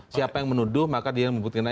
siapa yang menuduh maka dia yang membuktikan